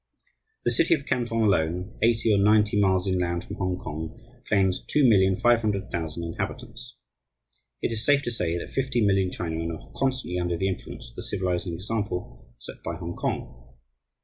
The city of Canton alone, eighty or ninety miles inland from Hongkong, claims 2,500,000 inhabitants. It is safe to say that fifty million Chinamen are constantly under the influence of the civilizing example set by Hongkong.